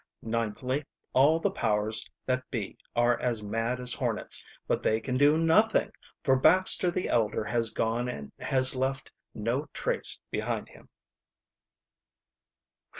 Ninthly, all the powers that be are as mad as hornets, but they can do nothing, for Baxter the elder has gone and has left no trace behind him."